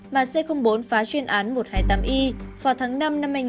phá truyền án một trăm hai mươi tám i vào tháng năm năm hai nghìn một mươi tám